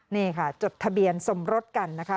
นี่ค่ะจดทะเบียนสมรสกันนะคะ